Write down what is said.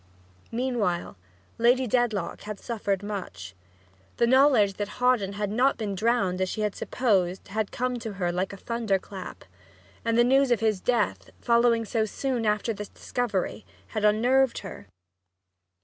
Meanwhile Lady Dedlock had suffered much. The knowledge that Hawdon had not been drowned as she had supposed, had come to her like a thunderclap. And the news of his death, following so soon after this discovery, had unnerved her.